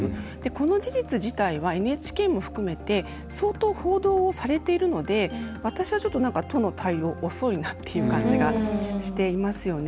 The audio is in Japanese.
この事実自体はＮＨＫも含めて相当、報道をされているので私は都の対応、遅いなという感じがしていますよね。